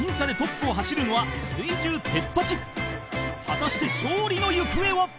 ［果たして勝利の行方は］